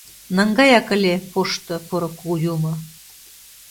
— Наҥгаяк ыле, пошто, поро кугу Юмо-о!..